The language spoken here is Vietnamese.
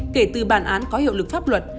kể từ bản án có hiệu lực pháp luật